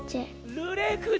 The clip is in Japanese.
ルレクチェ！